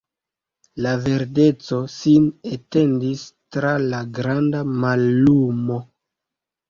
Ia verdeco sin etendis tra la granda mallumo.